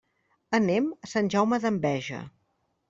Anem a Sant Jaume d'Enveja.